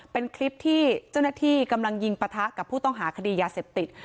เป็นคลิปที่เจ้าหน้าที่กำลังยิงปะทะกับผู้ต้องหาคดียาเสพติด